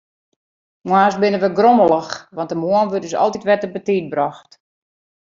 Moarns binne wy grommelich, want de moarn wurdt ús altyd wer te betiid brocht.